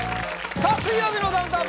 さあ「水曜日のダウンタウン」